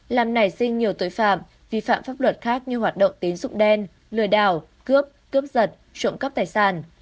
làm nảy sinh nhiều tội phạm vi phạm pháp luật khác như hoạt động tín dụng đen lừa đảo cướp cướp giật trộm cắp tài sản